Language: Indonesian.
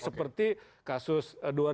seperti kasus dua ribu empat belas